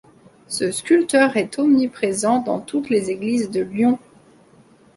Ce sculpteur est omniprésent dans toutes les églises de Lyon.